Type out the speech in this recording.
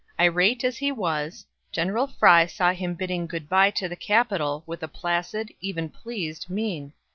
Irate as he was, General Fry saw him bidding good by to the Capitol with a placid, even pleased, mien.